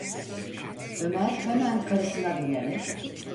Ömer hemen karısına dönerek: